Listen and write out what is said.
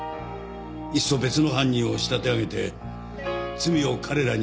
いっそ別の犯人を仕立て上げて罪を彼らに被せてしまおうと。